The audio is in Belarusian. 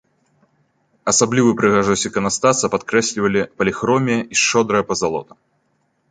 Асаблівую прыгажосць іканастаса падкрэслівалі паліхромія і шчодрая пазалота.